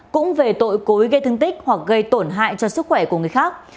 cũng về tội cố ý gây thương tích hoặc gây tổn hại cho sức khỏe của người khác